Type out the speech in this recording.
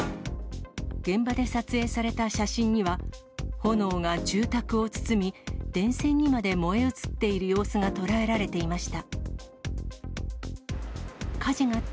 現場で撮影された写真には、炎が住宅を包み、電線にまで燃え移っている様子が捉えられていました。